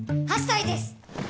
８歳です。